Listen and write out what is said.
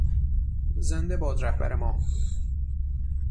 زنده باد رهبر ما!